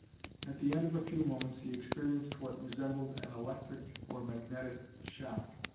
At the end of a few moments he experienced what resembled an electric or magnetic shock.